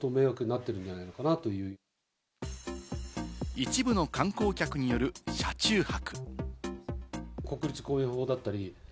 一部の観光客による車中泊。